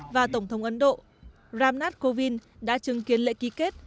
và tổng thống ấn độ ramnat kovind đã chứng kiến lệ ký kết